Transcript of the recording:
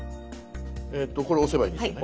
これ押せばいいんですね。